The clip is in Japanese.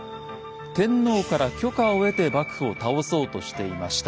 天皇から許可を得て幕府を倒そうとしていました。